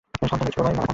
সাবধানে, ছোটো ভাই।